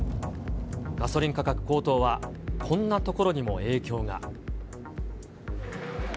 ガソリン価格高騰はこんな所にも影響が。